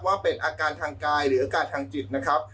ว่าเป็นอาการทางกายหรืออาการทางจิตนะครับ